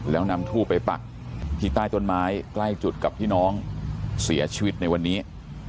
แล้วนำทูบไปปักที่ใต้ต้นไม้ใกล้จุดกับที่น้องเสียชีวิตในวันนี้